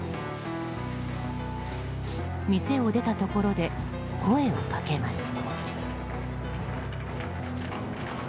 店を出たところで声をかけます。